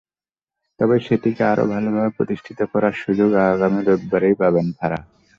তবে সেটিকে আরও ভালোভাবে প্রতিষ্ঠিত করার সুযোগ আগামী রোববারই পাবেন ফারাহ।